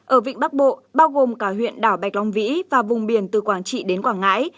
ở vịnh bắc bộ bao gồm cả huyện đảo bạch long vĩ và vùng biển từ quảng trị đến quảng ngãi